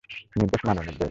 নির্দেশ মানে নির্দেশ!